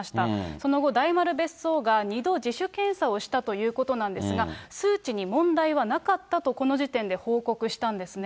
その後、大丸別荘が２度自主検査をしたということなんですが、数値に問題はなかったと、この時点で報告したんですね。